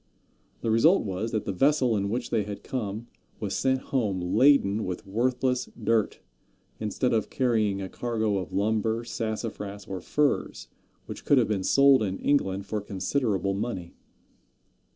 The result was that the vessel in which they had come was sent home laden with worthless dirt, instead of carrying a cargo of lumber, sassafras, or furs, which could have been sold in England for considerable money.